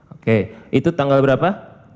oke itu tanggal berapa